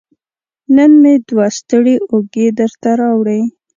نن مې دوه ستړې اوږې درته راوړي